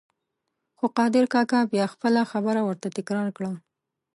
خو قادر کاکا بیا خپله خبره ورته تکرار کړه.